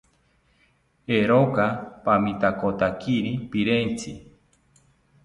Eeroka pamitakotakiri pirentzi